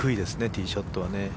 ティーショットはね。